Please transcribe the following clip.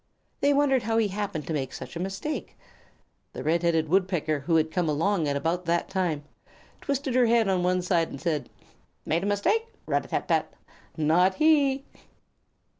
They wondered how he happened to make such a mistake. The Red headed Woodpecker who came along at about that time, twisted her head on one side and said: "Made a mistake! Rat a tat tat! Not he!"